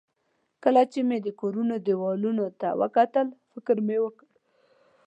کله چې مې د کورونو دېوالونو ته وکتل، فکر مې وکړ.